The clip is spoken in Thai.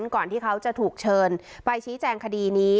ก่อนที่เขาจะถูกเชิญไปชี้แจงคดีนี้